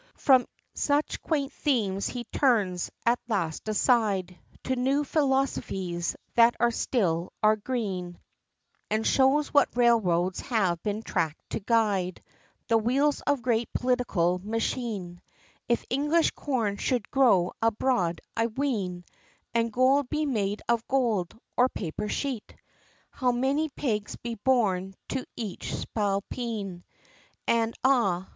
XXIV. From such quaint themes he turns, at last, aside, To new philosophies, that still are green, And shows what railroads have been track'd, to guide The wheels of great political machine; If English corn should grow abroad, I ween, And gold be made of gold, or paper sheet; How many pigs be born to each spalpeen; And, ah!